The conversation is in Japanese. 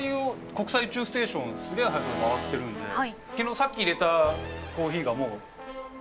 さっきいれたコーヒーがもう。